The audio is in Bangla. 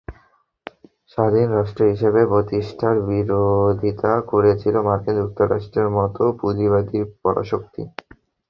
স্বাধীন রাষ্ট্র হিসেবে প্রতিষ্ঠার বিরোধিতা করেছিল মার্কিন যুক্তরাষ্ট্রের মতো পুঁজিবাদী পরাশক্তি।